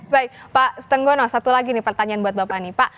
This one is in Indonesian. baik pak tenggono satu lagi nih pertanyaan buat pak tenggono